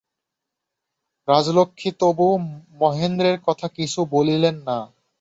রাজলক্ষ্মী তবু মহেন্দ্রের কথা কিছু বলিলেন না।